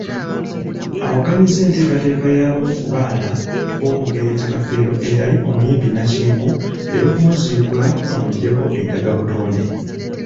Awakanyizza enteekateeka y'abamu ku baana b'omugenzi Kafeero eyali omuyimbi nnakinku, ey'okumuziikula bamujjeko endagabutonde.